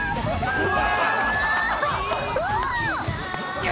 うわ！